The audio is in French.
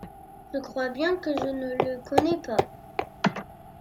Je crois bien que je ne le connais pas.